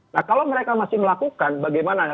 nah kalau mereka masih melakukan bagaimana